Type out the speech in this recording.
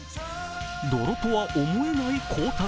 泥とは思えない光沢。